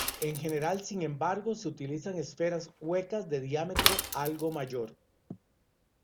En general, sin embargo, se utilizan esferas huecas de diámetro algo mayor.